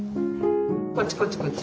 こっちこっちこっち。